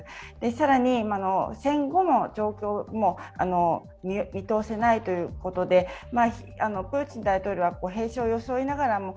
更に戦後の状況も見通せないということでプーチン大統領は平常を装いながらも